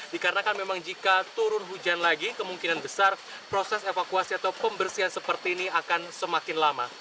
dikarenakan memang jika turun hujan lagi kemungkinan besar proses evakuasi atau pembersihan seperti ini akan semakin lama